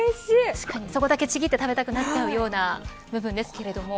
確かにそこだけちぎって食べたくなるような部分ですけれども。